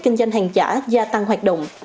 kinh doanh hàng giả gia tăng hoạt động